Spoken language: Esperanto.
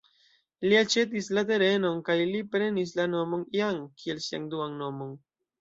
Li aĉetis la terenon, kaj li prenis la nomon "Jan" kiel sian duan nomon.